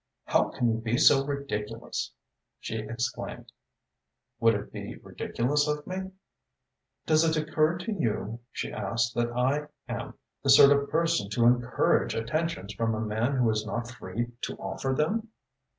"How can you be so ridiculous!" she exclaimed. "Would it be ridiculous of me?" "Does it occur to you," she asked, "that I am the sort of person to encourage attentions from a man who is not free to offer them?"